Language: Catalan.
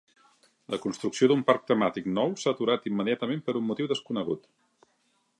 La construcció d'un parc temàtic nou s'ha aturat immediatament per un motiu desconegut.